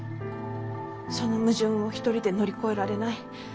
その矛盾を一人で乗り越えられない。